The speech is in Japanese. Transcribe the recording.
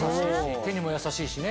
手にもやさしいしね。